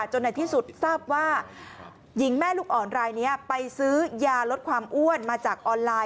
ในที่สุดทราบว่าหญิงแม่ลูกอ่อนรายนี้ไปซื้อยาลดความอ้วนมาจากออนไลน์